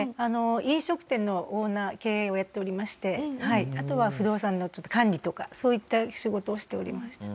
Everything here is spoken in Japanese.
飲食店のオーナー経営をやっておりましてあとは不動産の管理とかそういった仕事をしておりました。